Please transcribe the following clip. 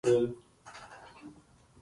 قرآن د لارښوونې کتاب دی